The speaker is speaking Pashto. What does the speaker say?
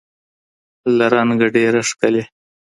له رنګه ډېره ښکلې